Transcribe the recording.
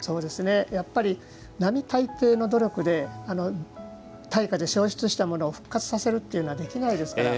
やっぱり並大抵の努力では大火で焼失したものを復活させるというのはできないですから。